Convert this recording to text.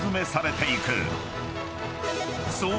［そう。